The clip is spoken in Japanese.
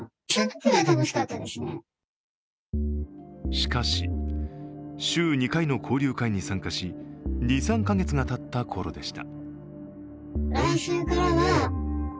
しかし、週２回の交流会に参加し２３か月がたったころでした。